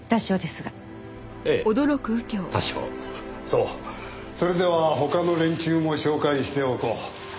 それでは他の連中も紹介しておこう。